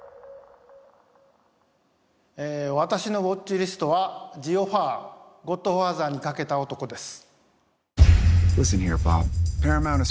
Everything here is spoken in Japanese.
私のＷａｔｃｈＬＩＳＴは「ジ・オファー／ゴッドファーザーに賭けた男」です